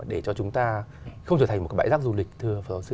để cho chúng ta không trở thành một cái bãi giác du lịch thưa phật giáo sư